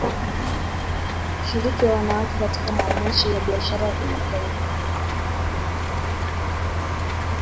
Ushiriki wa wanawake katika maonesho ya Biashara ya kimataifa